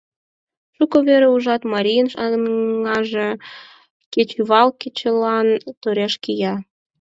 Шуко вере ужат: марийын аҥаже кечывал кечылан тореш кия.